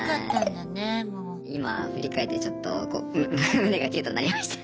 今振り返ってちょっと胸がキュッとなりました。